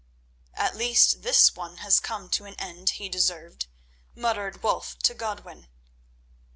"At least this one has come to an end he deserved," muttered Wulf to Godwin.